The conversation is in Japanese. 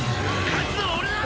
勝つのは俺だ！